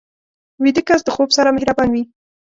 ویده کس د خوب سره مهربان وي